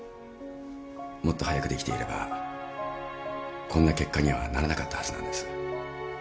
もっと早くできていればこんな結果にはならなかったはずなんです。